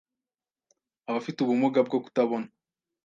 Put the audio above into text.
Abafite ubumuga bwo kutabona